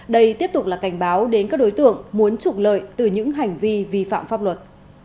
đây tiếp tục là cảnh báo đến các đối tượng muốn trục lợi từ những hành vi vi phạm pháp luật